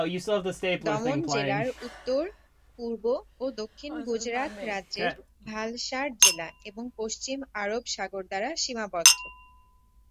দমন জেলার উত্তর, পূর্ব ও দক্ষিণ গুজরাত রাজ্যের ভালসাড় জেলা এবং পশ্চিম আরব সাগর দ্বারা সীমাবদ্ধ।